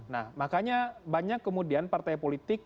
nah makanya banyak kemudian partai politik